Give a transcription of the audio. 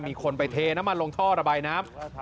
มีคนไปเทน้ำมันลงท่อระบายน้ำ